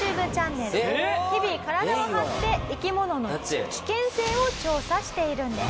「日々体を張って生き物の危険性を調査しているんです」